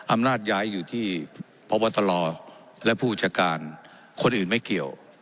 อำนาจย้ายอยู่ที่พบตรและผู้จัดการคนอื่นไม่เกี่ยว